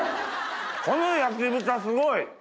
この焼豚すごい。